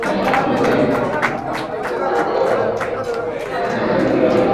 Kudhibiti kupe ni namna ya kukabiliana na ugonjwa wa ndigana kali